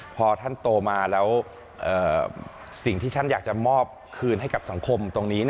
พอท่านโตมาแล้วสิ่งที่ท่านอยากจะมอบคืนให้กับสังคมตรงนี้